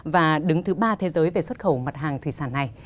và đứng thứ ba thế giới về xuất khẩu mặt hàng thủy sản này